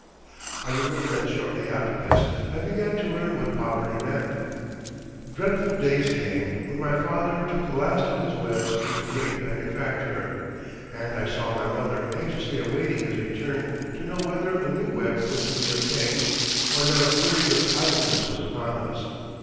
I remember that shortly after this I began to learn what poverty meant. Dreadful days came when my father took the last of his webs to the great manufacturer, and I saw my mother anxiously awaiting his return to know whether a new web was to be obtained or that a period of idleness was upon us.